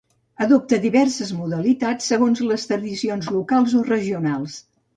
Adopta diverses modalitats, segons les tradicions locals o regionals.